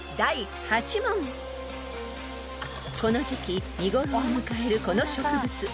［この時季見頃を迎えるこの植物